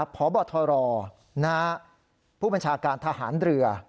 พบทรผู้บัญชาการทหารเรือ